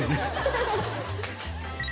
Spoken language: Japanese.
ハハハ